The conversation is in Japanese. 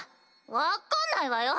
分かんないわよ！